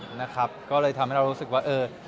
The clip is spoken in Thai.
หลายคนจะจัดหัวหรือหลที่ไหน